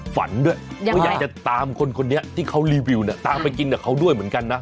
ฝันด้วยว่าอยากจะตามคนคนนี้ที่เขารีวิวเนี่ยตามไปกินกับเขาด้วยเหมือนกันนะ